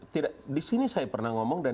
tidak di sini saya pernah ngomong dan